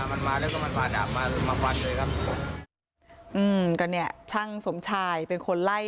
มันมาแล้วก็มันมาดาบมามาฟันเลยครับอืมก็เนี่ยช่างสมชายเป็นคนไล่